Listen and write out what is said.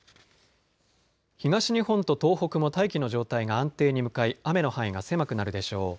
東日本と東北も大気の状態が安定に向かい雨の範囲が狭くなるでしょう。